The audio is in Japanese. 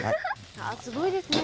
あすごいですねぇ。